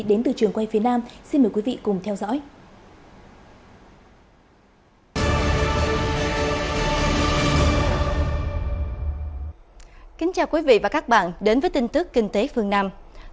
đến từ trường quay phía nam